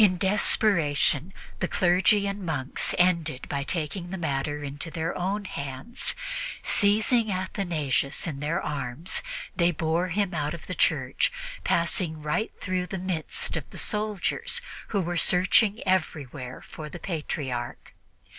In desperation, the clergy and monks ended by taking the matter into their own hands. Seizing Athanasius in their arms, they bore him out of the church, passing right through the midst of the soldiers, who were searching everywhere for the Patriarch.